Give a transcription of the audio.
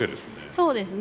そうですね。